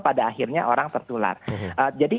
pada akhirnya orang tertular jadi